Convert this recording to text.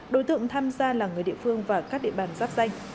đối tượng tham gia là người địa phương và các địa bàn giáp danh